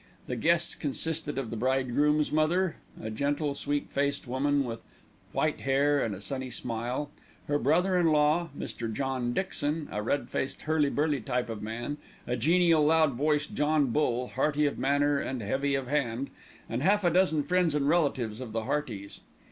The guests consisted of the bridegroom's mother, a gentle, sweet faced woman with white hair and a sunny smile, her brother in law, Mr. John Dixon, a red faced, hurly burly type of man, a genial, loud voiced John Bull, hearty of manner and heavy of hand, and half a dozen friends and relatives of the Heartys.